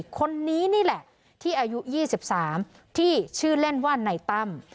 คนนี้นี่แหละที่อายุ๒๓ที่ชื่อเล่นว่าในตั้ม